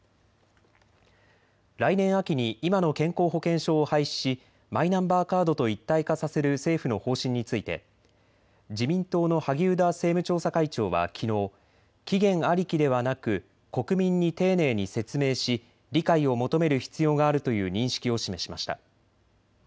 来年秋に今の健康保険証を廃止しマイナンバーカードと一体化させる政府の方針について自民党の萩生田政務調査会長はきのう、期限ありきではなく国民に丁寧に説明し理解を求める必要があるという認識を示しました。